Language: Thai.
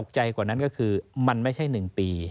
ใจกว่านั้นก็คือมันไม่ใช่๑ปี